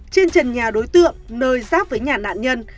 trên trần nhà đối tượng nơi giáp với nhà nạn nhân